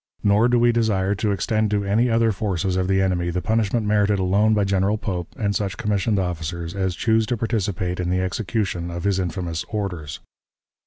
Nor do we desire to extend to any other forces of the enemy the punishment merited alone by General Pope and such commissioned officers as choose to participate in the execution of his infamous orders.